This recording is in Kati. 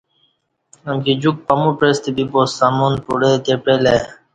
امکی جوک پمو پعستہ بیبا سامان پوڑے تہ پعلہ ای